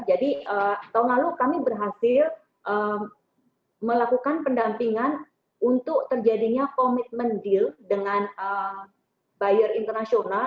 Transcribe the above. jadi tahun lalu kami berhasil melakukan pendampingan untuk terjadinya commitment deal dengan buyer internasional